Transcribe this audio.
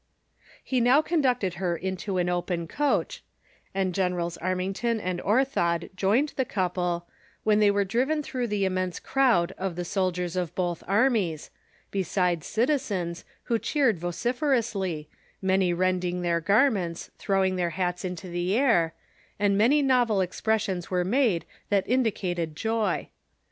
He now conducted her into an open coach, and Generals Armington and Orthod joined the couple, when they were driven througli the immense crowd of the soldiers of both armies, besides citizens, who cheered vociferously, many rending their garments, throwing their hats into the air, and many novel expressions were made that indicated joy.